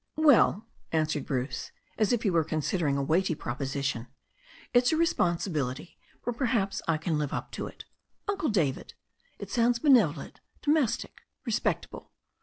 "Well," answered Bruce,' as if he were considering a weighty proposition, "it's a responsibility, but perhaps I can live up to it. Uncle David — it sounds benevolent, domestic, respectable.